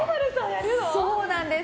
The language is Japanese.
そうなんです。